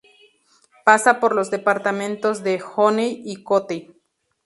Pasa por los departamentos de Yonne y Côte-d'Or.